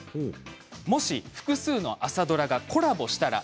もし、複数の朝ドラがコラボしたら。